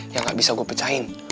yang gak bisa gue pecahin